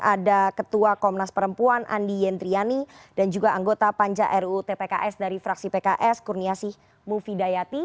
ada ketua komnas perempuan andi yendriyani dan juga anggota panca rutpks dari fraksi pks kurniasih mufidayati